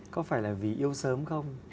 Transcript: có phải là vì yêu sớm không